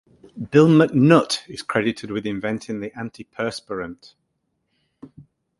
Bill McNutt is credited with inventing the antiperspirant.